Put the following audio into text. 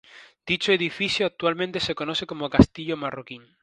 Dicho edificio actualmente se conoce como Castillo Marroquín.